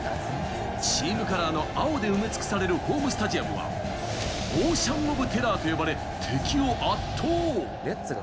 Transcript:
チームカラーの青で埋め尽くされるホームスタジアムは、「オーシャン・オブ・テラー」と呼ばれ敵を圧倒。